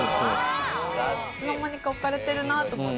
いつの間にか置かれてるなって。